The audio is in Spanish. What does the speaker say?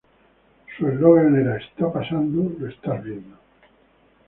Su eslogan era: "Está pasando, lo estás viendo".